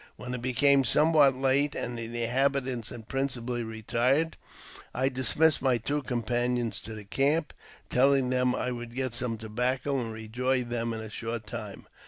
When it became somewhat late, and the inhabitants had principally retired, I dismissed my two companions to the camp, telling them I would get some tobacco, and rejoin them in a short time.